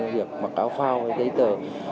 việc mặc áo phao giấy tờ